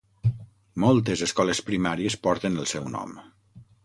Moltes escoles primàries porten el seu nom.